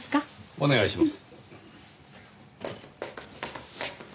お願いします。